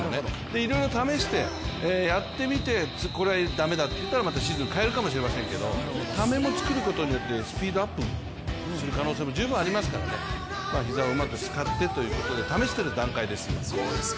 いろいろ試して、やってみてこれは駄目だっていったらシーズン変えるかも知れませんけどためを作ることによってスピードアップする可能性も十分ありますからね、膝をうまく使ってということで試してる段階です。